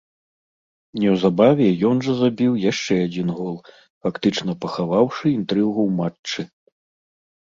Неўзабаве ён жа забіў яшчэ адзін гол, фактычна пахаваўшы інтрыгу ў матчы.